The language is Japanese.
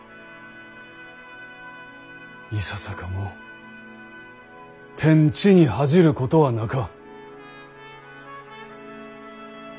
いささかも天地に愧じることはなか。